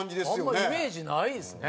あんまイメージないですね。